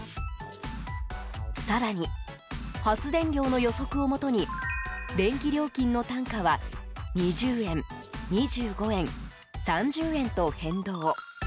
更に、発電量の予測をもとに電気料金の単価は２０円、２５円、３０円と変動。